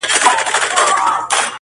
په سمه لاره کي پل مه ورانوی!.